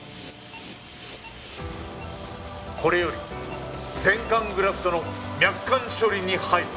これより全肝グラフトの脈管処理に入る。